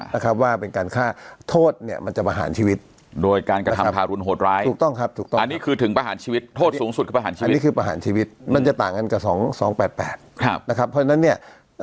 นะครับว่าเป็นการฆ่าโทษเนี่ยมันจะประหารชีวิตโดยการกระทำทารุณโหดร้ายถูกต้องครับถูกต้องอันนี้คือถึงประหารชีวิตโทษสูงสุดคือประหารชีวิตนี่คือประหารชีวิตมันจะต่างกันกับสองสองแปดแปดครับนะครับเพราะฉะนั้นเนี่ย